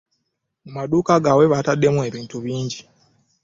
Mu maduuka gaabwe, batundamu ebintu bingi.